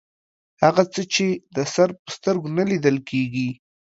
هغه څه چې د سر په سترګو نه لیدل کیږي